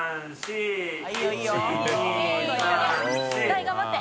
大頑張って！